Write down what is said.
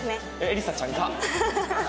えりさちゃん「が」！